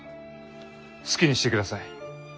好きにしてください。